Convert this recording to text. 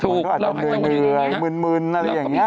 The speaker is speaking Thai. ถูกเราหายใจอยู่อย่างนี้